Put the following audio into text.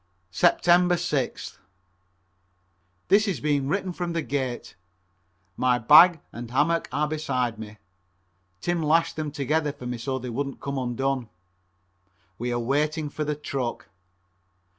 Sept. 6th. This is being written from the gate. My bag and hammock are beside me. Tim lashed them together for me so they wouldn't come undone. We are waiting for the truck.